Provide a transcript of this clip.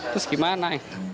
terus gimana ya